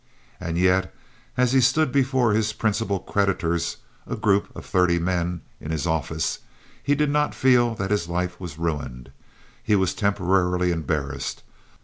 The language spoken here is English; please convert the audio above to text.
And yet, as he stood before his principal creditors—a group of thirty men—in his office, he did not feel that his life was ruined. He was temporarily embarrassed.